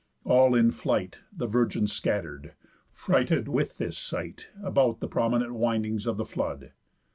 All in flight The virgins scatter'd, frighted with this sight, About the prominent windings of the flood.